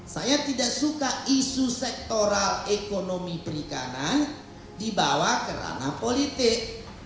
saya tidak suka isu sektoral ekonomi perikanan dibawa ke ranah politik